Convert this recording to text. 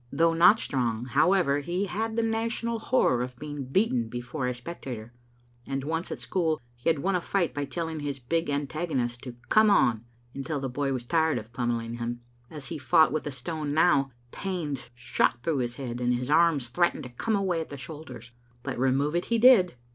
Though not strong, however, he had the national horrer of being beaten before a specta tor, and once at school he had won a fight by telling his big antagonist to come on until the boy was tired of pummelling him. As he fought with the stone now, pains shot through his head, and his arms threatened to come away at the shoulders; but remove it he did.